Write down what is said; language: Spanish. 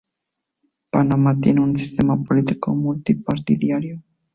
Panamá tiene un sistema político multi-partidiario.